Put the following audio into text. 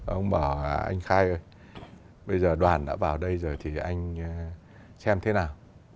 ông bảo là anh khai ơi bây giờ đoàn đã vào đây rồi thì anh xem thế nào